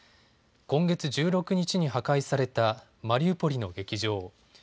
今月１６日に破壊されたマリウポリの劇場。